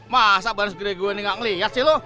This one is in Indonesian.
masa bang segera gue ini gak ngeliat sih lu